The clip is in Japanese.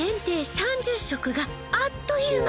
３０食があっという間！